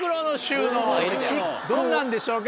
どんなんでしょうか？